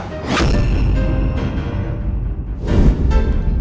apa benar roy